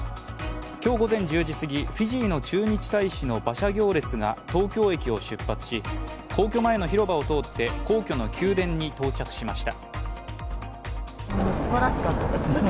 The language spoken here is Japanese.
今日午前１０時すぎ、フィジーの駐日大使の馬車行列が東京駅を出発し皇居前の広場を通って皇居の宮殿に到着しました。